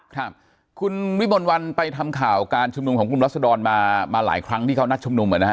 ครับคุณวิมลวันไปทำข่าวการชุมนุมของกลุ่มรัศดรมามาหลายครั้งที่เขานัดชุมนุมอ่ะนะฮะ